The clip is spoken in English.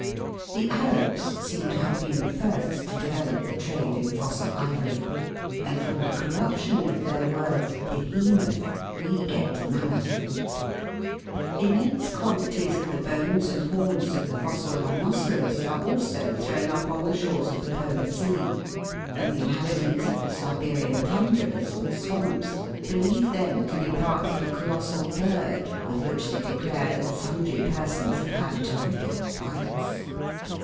The Arabs seem to have been the first to develop the trade in fossil ivory, and from the corruption of their word " behemoth " we get " mammoth." Immense quantities of the bones and horns of the fossil rhinoceros are also thrown up on the shores of the Polar Sea, and the inhabitants of the Siberian tundras, pr swamps, believe them to be parts of a colossal bird with which they declare that sundry persons have had terrific fights.